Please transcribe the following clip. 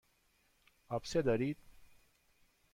آبسه دارید.